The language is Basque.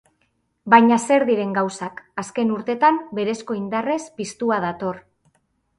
Baina zer diren gauzak, azken urtetan berezko indarrez piztua dator.